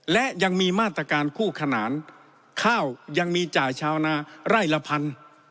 และยังมีมาตรการคู่ขนานข้าวยังมีจ่ายชาวนาไร่ละพัน